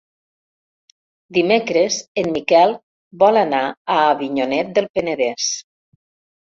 Dimecres en Miquel vol anar a Avinyonet del Penedès.